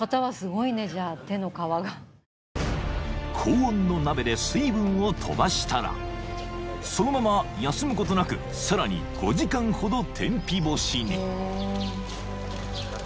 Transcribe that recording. ［高温の鍋で水分を飛ばしたらそのまま休むことなくさらに５時間ほど天日干しに］